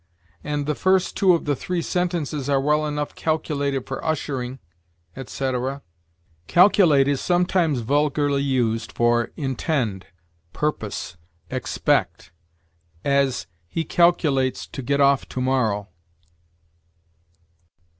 and, "The first two of the three sentences are well enough calculated for ushering," etc. Calculate is sometimes vulgarly used for intend, purpose, expect; as, "He calculates to get off to morrow."